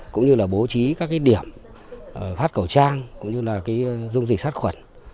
cũng như là bố trí các điểm phát cầu trang cũng như là dung dịch sắt khuẩn